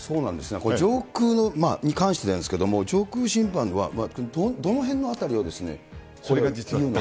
これ、上空に関してなんですけれども、上空侵犯はどの辺の辺りを言うのかと。